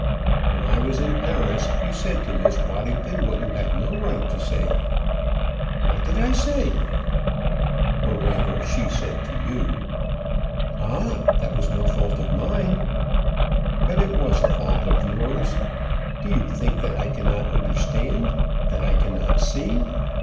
When I was in Paris, you said to Miss Waddington what you had no right to say." "What did I say?" "Or, rather, she said to you " "Ah! that was no fault of mine." "But it was a fault of yours. Do you think that I cannot understand? that I cannot see?